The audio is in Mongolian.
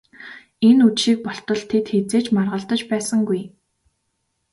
Энэ үдшийг болтол тэд хэзээ ч маргалдаж байсангүй.